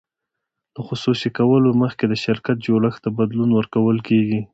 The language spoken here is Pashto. له خصوصي کولو مخکې د شرکت جوړښت ته بدلون ورکول کیږي.